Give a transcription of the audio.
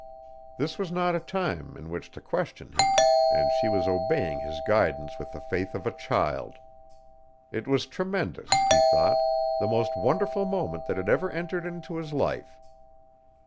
This was not a time in which to question him, and she was obeying his guidance with the faith of a child. It was tremendous, he thought the most wonderful moment that had ever entered into his life.